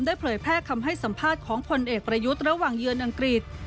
เผยแพร่คำให้สัมภาษณ์ของพลเอกประยุทธ์ระหว่างเยือนอังกฤษ